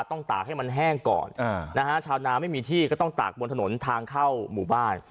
ตากให้มันแห้งก่อนนะฮะชาวนาไม่มีที่ก็ต้องตากบนถนนทางเข้าหมู่บ้าน